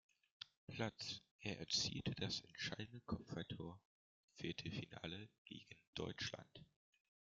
Platz; er erzielte das entscheidende Kopfballtor im Viertelfinale gegen Deutschland.